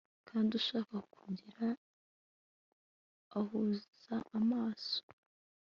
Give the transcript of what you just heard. kandi ushaka gukira ahunza amaso